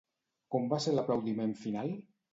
Com va ser l'aplaudiment final?